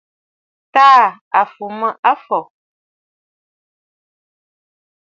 Tàa à fù mə afɔ̀.